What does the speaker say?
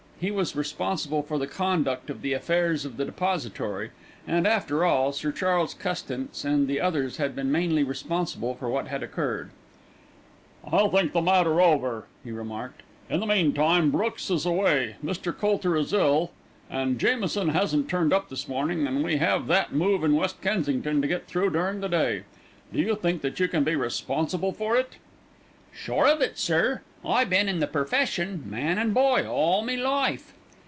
He was responsible for the conduct of the affairs of the Depository, and, after all, Sir Charles Custance and the others had been mainly responsible for what had occurred. "I'll think the matter over," he remarked. "In the meantime Brooks is away, Mr. Colter is ill, and Jameson hasn't turned up this morning, and we have that move in West Kensington to get through during the day. Do you think that you can be responsible for it?" "Sure of it, sir. I been in the perfession, man and boy, all me life."